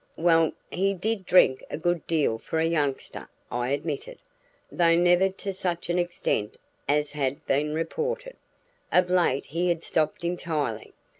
"Well, he did drink a good deal for a youngster," I admitted, "though never to such an extent as has been reported. Of late he had stopped entirely.